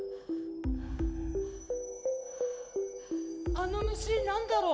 あの虫何だろう？